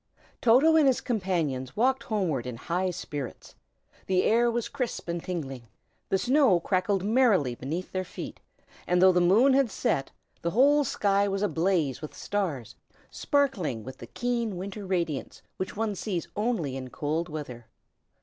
TOTO and his companions walked homeward in high spirits. The air was crisp and tingling; the snow crackled merrily beneath their feet; and though the moon had set, the whole sky was ablaze with stars, sparkling with the keen, winter radiance which one sees only in cold weather.